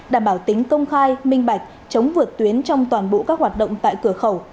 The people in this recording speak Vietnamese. đảm bảo tính công khai minh bạch chống vượt tuyến trong toàn bộ các hoạt động tại cửa khẩu